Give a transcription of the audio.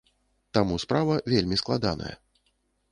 Таму справа вельмі складаная.